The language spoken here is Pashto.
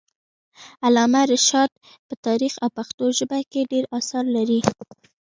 علامه رشاد په تاریخ او پښتو ژبه کي ډير اثار لري.